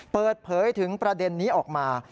เปิดเผยถึงประเด็นนี้ออกมา